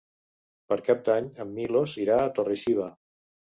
Per Cap d'Any en Milos irà a Torre-xiva.